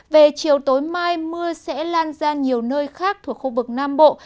về chiều tối mai mưa sẽ lan ra nhiều nơi khác thuộc khu vực nam bộ